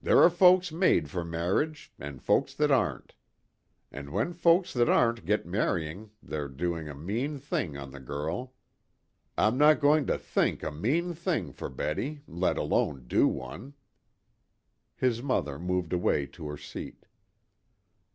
"There are folks made for marriage, and folks that aren't. And when folks that aren't get marrying they're doing a mean thing on the girl. I'm not going to think a mean thing for Betty let alone do one." His mother moved away to her seat.